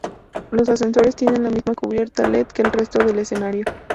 Los ascensores tiene la misma cubierta led que el resto del escenario.